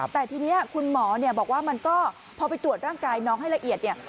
แต่ทีนี้คุณหมอบอกว่ามันก็พอไปตรวจร่างกายน้องให้ละเอียดเนี่ย